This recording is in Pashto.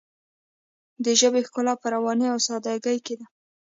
د ژبې ښکلا په روانۍ او ساده ګۍ کې ده.